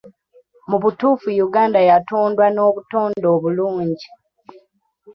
Mu butuufu Uganda yatondwa n'obutonde obulungi.